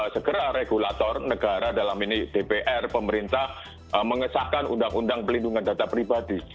segera regulator negara dalam ini dpr pemerintah mengesahkan undang undang pelindungan data pribadi